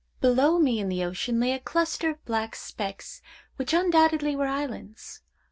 Below me in the ocean lay a cluster of black specks, which undoubtedly were islands.